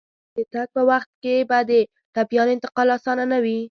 د تګ په وخت کې به د ټپيانو انتقال اسانه نه وي.